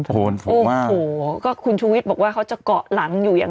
เพราะว่าโอ้โหก็คุณชูวิทย์บอกว่าเขาจะเกาะหลังอยู่อย่าง